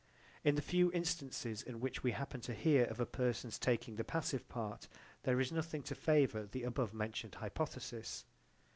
In the few instances in which we happen to hear of a person's taking the passive part there is nothing to favour the above mentioned hypothesis.